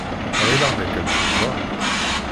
Ɣileɣ dakken teẓramt.